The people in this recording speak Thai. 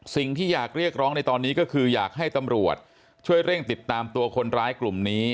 สิ่งที่อยากเรียกร้องในตอนนี้ก็คืออยากให้ตำรวจช่วยเร่งติดตามตัวคนร้ายกลุ่มนี้